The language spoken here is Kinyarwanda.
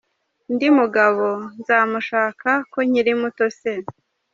Undi mugabo nzamushaka, ko nkiri muto se!.